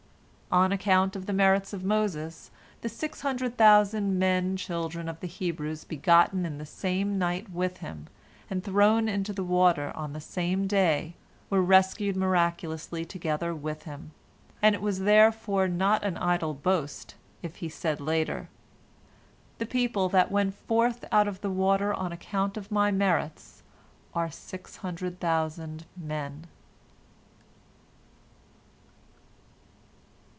On account of the merits of Moses, the six hundred thousand men children of the Hebrews begotten in the same night with him, and thrown into the water on the same day, were rescued miraculously together with him, and it was therefore not an idle boast, if he said later, "The people that went forth out of the water on account of my merits are six hundred thousand men."